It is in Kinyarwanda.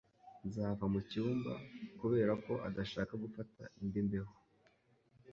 Ntazava mucyumba, kubera ko adashaka gufata indi mbeho.